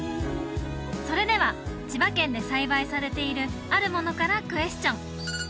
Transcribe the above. それでは千葉県で栽培されているあるものからクエスチョン